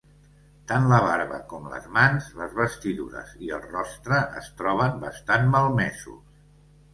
Tant la barba com les mans, les vestidures i el rostre es troben bastant malmesos.